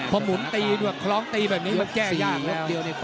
พอหมุนตีเคราะห์ตีมันมันแจ้ยากแล้ว